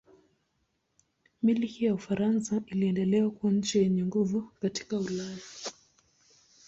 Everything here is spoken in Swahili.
Milki ya Ufaransa iliendelea kuwa nchi yenye nguvu katika Ulaya.